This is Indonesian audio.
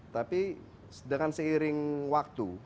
tapi dengan seiring waktu